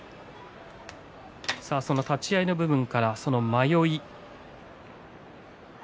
その立ち合いの部分からその迷い。